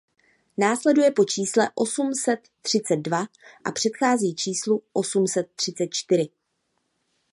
Následuje po čísle osm set třicet dva a předchází číslu osm set třicet čtyři.